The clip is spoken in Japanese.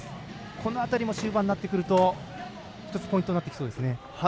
この辺りも終盤になってくると１つポイントになってきそうですね。